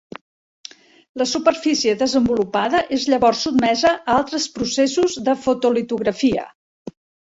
La superfície desenvolupada és llavors sotmesa a altres processos de fotolitografia.